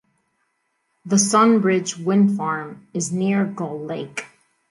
The SunBridge Wind Farm is near Gull Lake.